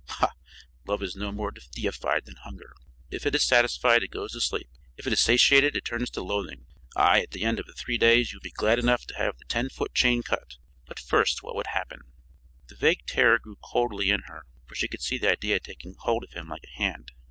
Pah! Love is no more deified than hunger. If it is satisfied, it goes to sleep; if it is satiated, it turns to loathing. Aye, at the end of the three days you would be glad enough to have the ten foot chain cut. But first what would happen?" The vague terror grew coldly in her, for she could see the idea taking hold of him like a hand.